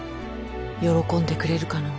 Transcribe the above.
喜んでくれるかのぅ。